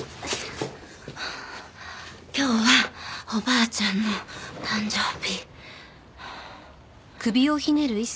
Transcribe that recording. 今日はおばあちゃんの誕生日。